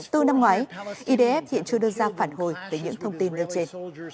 hồi tháng bốn năm ngoái idf hiện chưa đưa ra phản hồi về những thông tin đưa trên